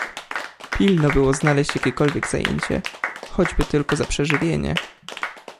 "Pilno było znaleźć jakiekolwiek zajęcie, choćby tylko za przeżywienie."